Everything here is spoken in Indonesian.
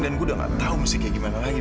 dan gue udah gak tau musiknya gimana lagi